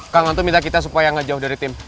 kang anto minta kita supaya nggak jauh dari tim